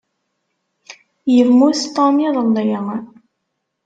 Yemmut Tom iḍelli.